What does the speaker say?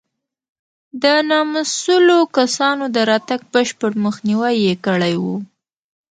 د نامسوولو کسانو د راتګ بشپړ مخنیوی یې کړی و.